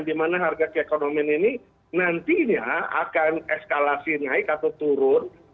di mana harga keekonomian ini nantinya akan eskalasi naik atau turun